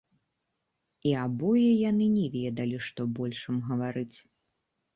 І абое яны не ведалі, што больш ім гаварыць.